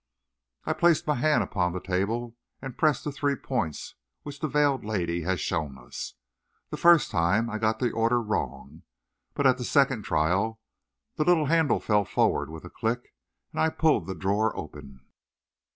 I placed my hand upon the table and pressed the three points which the veiled lady had shown us. The first time, I got the order wrong, but at the second trial, the little handle fell forward with a click, and I pulled the drawer open.